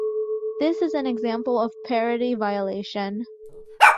This is an example of parity violation.